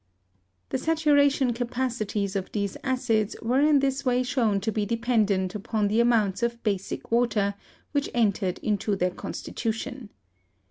The saturation capacities of these acids were in this way shown to be dependent upon the amounts of "basic water" which entered into their constitution.